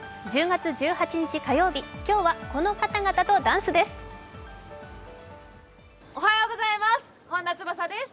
１０月１８日火曜日、今日は、この方々とダンスです。